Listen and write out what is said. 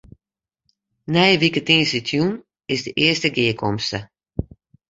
Nije wike tiisdeitejûn is de earste gearkomste.